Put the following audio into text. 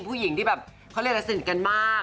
คู่หญิงที่เขาเรียกแล้วสนิทกันมาก